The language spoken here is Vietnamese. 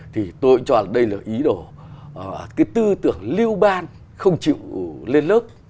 thì tôi cho rằng đây là ý đồ cái tư tưởng lưu ban không chịu lên lớp